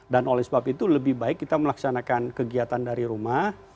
dan oleh sebab itu lebih baik kita melaksanakan kegiatan dari rumah